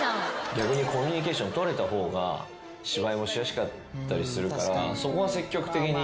逆にコミュニケーション取れた方が芝居もしやすかったりするからそこは積極的に。